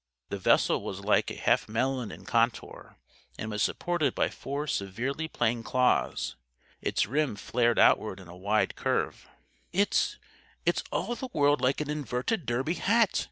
The vessel was like a half melon in contour and was supported by four severely plain claws. Its rim flared outward in a wide curve. "It's it's all the world like an inverted derby hat!"